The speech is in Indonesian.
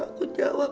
kalau gua gak jawab